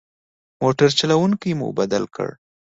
موټر چلوونکی مو بدل کړ.